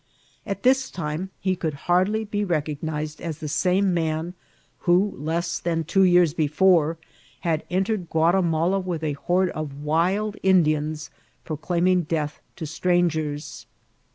At this time he could hardly be recognised as the same man who, less than two years before, had entered Oua* timala with a horde of wild Indians, proclaiming death to strangers.